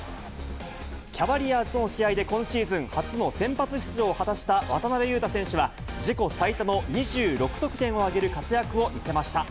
キャバリアーズとの試合で、今シーズン初の先発出場を果たした渡邊雄太選手は、自己最多の２６得点を挙げる活躍を見せました。